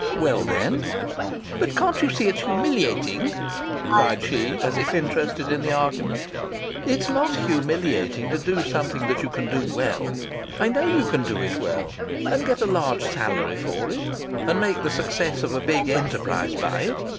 "Well then " "But can't you see it's humiliating?" cried she, as if interested in the argument. "It's not humiliating to do something that you can do well I know you can do it well and get a large salary for it, and make the success of a big enterprise by it.